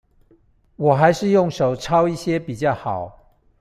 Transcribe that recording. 我還是用手抄一些比較好